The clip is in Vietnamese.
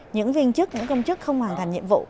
những viên chức những công chức không hoàn thành nhiệm vụ